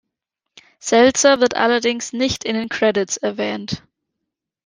Seltzer wird allerdings nicht in den Credits erwähnt.